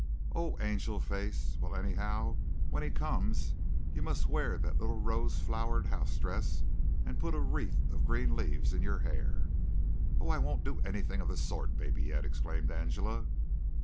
"Oh, Angel Face! Well, anyhow, when he comes you must wear that little rose flowered house dress and put a wreath of green leaves in your hair." "Oh, I won't do anything of the sort, Babyette," exclaimed Angela.